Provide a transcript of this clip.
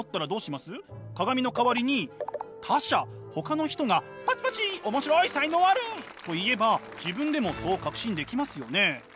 鏡の代わりに他者ほかの人がパチパチ「面白い才能ある！」と言えば自分でもそう確信できますよね。